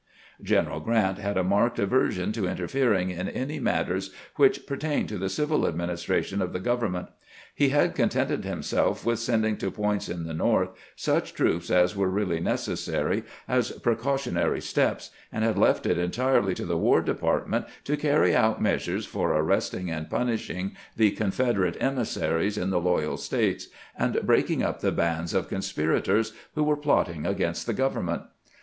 ..." General Grant had a marked aversion to interfering in any matters which pertained to the civU administra tion of the government. He had contented himself with sending to points in the North such troops as were really necessary as precautionary steps, and had left it entirely to the War Department to carry out measures for ar resting and punishing the Confederate emissaries in the loyal States, and breaking up the bands of conspirators who were plotting against the government.